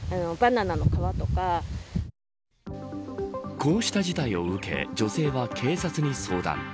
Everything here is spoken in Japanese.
こうした事態を受け女性は、警察に相談。